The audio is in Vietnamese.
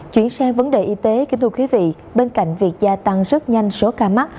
chuyển sang vấn đề y tế kính thưa quý vị bên cạnh việc gia tăng rất nhanh số ca mắc